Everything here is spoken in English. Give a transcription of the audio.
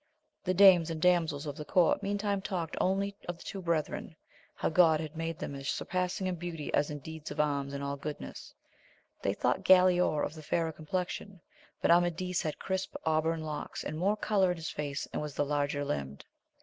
The dames and damsels of the court meantime talked only of the two brethren, how God had made them as sur passing in beauty as in deeds of arms and all goodness : they thought Galaor of the fairer complexion; but Amadis had crisp, auburn locks, and more cblour in his face, and was the larger limbed.